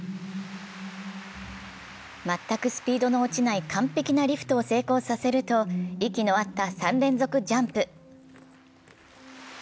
全くスピードの落ちない完璧なリフトを成功させると、息の合った３連続ジャンプ。